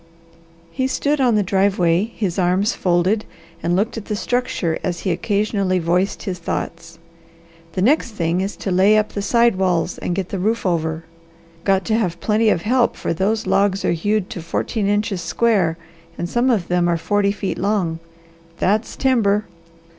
He stood on the driveway, his arms folded, and looked at the structure as he occasionally voiced his thoughts. "The next thing is to lay up the side walls and get the roof over. Got to have plenty of help, for those logs are hewed to fourteen inches square and some of them are forty feet long. That's timber!